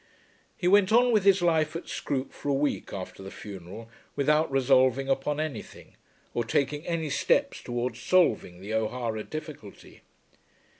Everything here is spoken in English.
He went on with his life at Scroope for a week after the funeral without resolving upon anything, or taking any steps towards solving the O'Hara difficulty.